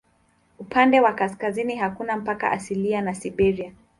Upande wa kaskazini hakuna mpaka asilia na Siberia.